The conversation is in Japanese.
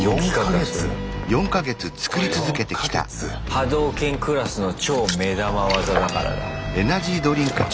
波動拳クラスの超目玉技だからだ。